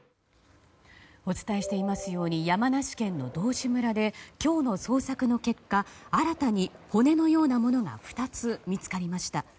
お伝えしていますように山梨県の道志村で今日の捜索の結果新たに骨のようなものが２つ見つかりました。